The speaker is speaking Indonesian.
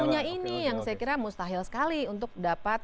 punya ini yang saya kira mustahil sekali untuk dapat